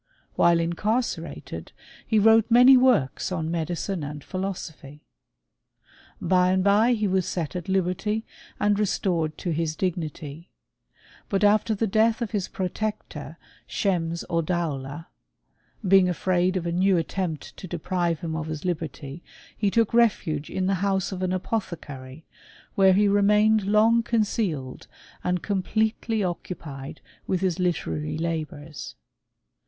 While in* carcerated he wrote many works on medicine and pliilosophy. By and by he was set at liberty, and restored to his dignity ; but after the death of his pro* tector, Schems Oddaula^ being afraid of a new at tempt to deprive him of his liberty, he took refuge iit' the house or an apothecary, where he remained lon|f concealed and completely occupied with his literacy labours.